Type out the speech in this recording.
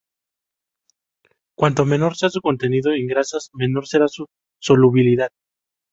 Cuanto menor sea su contenido en grasas, menor será su solubilidad.